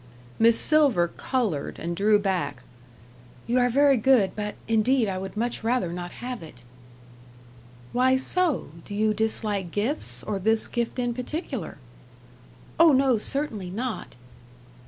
Miss Silver coloured, and drew back. "You are very good, but indeed I would much rather not have it." "Why so? Do you dislike gifts, or this gift in particular?" "Oh, no; certainly not."